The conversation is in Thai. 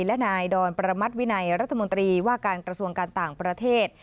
และนายดอนประมัติวินัยรัฐมนตรีว่าการกระทรวงการต่างประเทศ